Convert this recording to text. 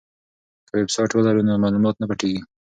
که ویبسایټ ولرو نو معلومات نه پټیږي.